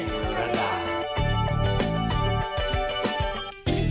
สวัสดีค่ะ